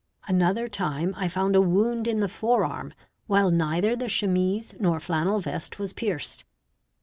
+_ Another time, I found a wound in the forearm while neither the chemise nor flannel vest was pierced.